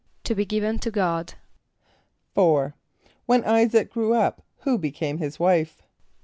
=To be given to God.= =4.= When [=I]´[s+]aac grew up, who became his wife?